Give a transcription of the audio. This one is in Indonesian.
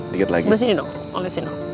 sebelah sini dong